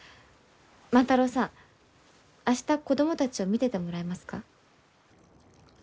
万太郎さん明日子供たちを見ててもらえますか？